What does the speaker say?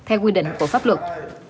theo quy định của pháp luật